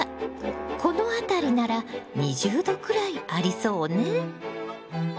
この辺りなら２０℃くらいありそうね。